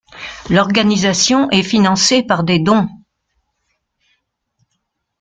L'organisation est financée par des dons.